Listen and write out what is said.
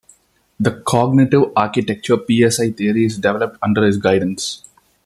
The cognitive architecture Psi-Theory is developed under his guidance.